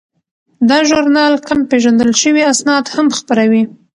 دا ژورنال کم پیژندل شوي اسناد هم خپروي.